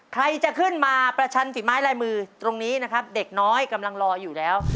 ใครจะขึ้นมาประชันฝีไม้ลายมือตรงนี้นะครับเด็กน้อยกำลังรออยู่แล้ว